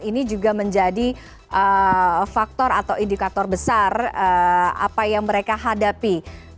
ini juga menjadi faktor atau indikator besar apa yang mereka hadapi